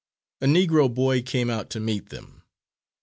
A Negro boy came out to meet them.